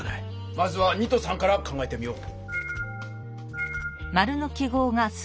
まずは２と３から考えてみよう。